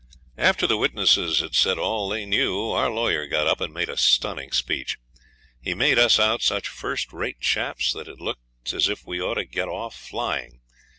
After the witnesses had said all they knew our lawyer got up and made a stunning speech. He made us out such first rate chaps that it looked as if we ought to get off flying.